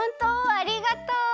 ありがとう！